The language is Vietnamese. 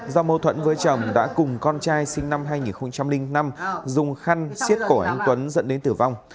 do mâu thuẫn với chồng đã cùng con trai sinh năm hai nghìn năm dùng khăn xiết cổ anh tuấn dẫn đến tử vong